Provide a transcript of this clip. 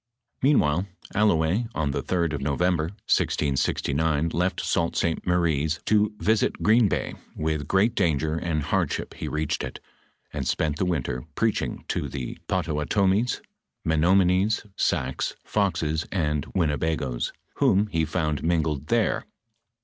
"f Meanwhile Allouez, on the 3d of November, 1669, left Sault St. Mary's to visit Green bay ; with great danger and hardship he reached it, And spent the winter preaching to the Pottawatoraies, Menomonees, Sacs, Foxes, and Winnebagoes, whom he found mingled there.